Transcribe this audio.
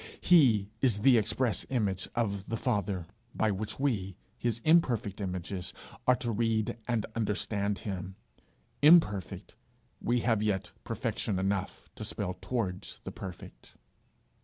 He is the express image of the Father, by which we, his imperfect images, are to read and understand him: imperfect, we have yet perfection enough to spell towards the perfect.